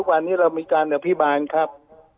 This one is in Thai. วันนี้เรามีการอภิบาลครับ